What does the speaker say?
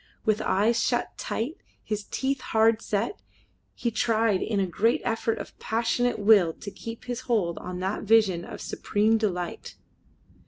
With eyes shut tight, his teeth hard set, he tried in a great effort of passionate will to keep his hold on that vision of supreme delight.